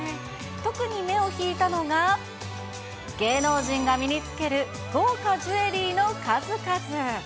特に目を引いたのが、芸能人が身につける豪華ジュエリーの数々。